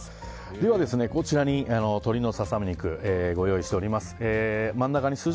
では、こちらに鶏のササミ肉をご用意しております。